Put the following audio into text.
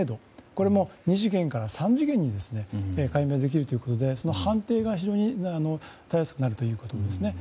これも２次元から３次元に解明できるということでその判定が非常にしやすくなるということですね。